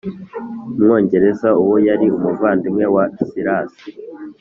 mwongereza uwo yari umuvandimwe wa silasi